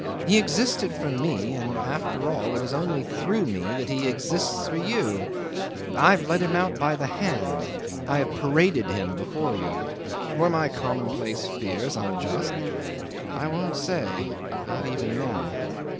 He existed for me, and after all it is only through me that he exists for you. I've led him out by the hand; I have paraded him before you. Were my commonplace fears unjust? I won't say not even now.